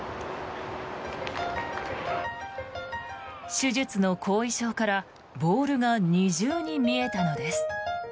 手術の後遺症からボールが二重に見えたのです。